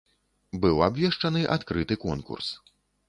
Быў абвешчаны адкрыты конкурс.